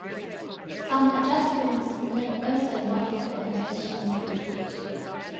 Some adjustments may also not prevent emissions leakage.